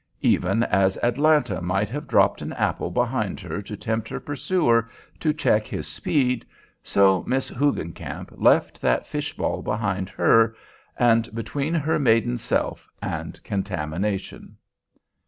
Even as Atalanta might have dropped an apple behind her to tempt her pursuer to check his speed, so Miss Hoogencamp left that fish ball behind her, and between her maiden self and contamination.